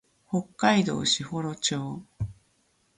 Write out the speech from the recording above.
北海道士幌町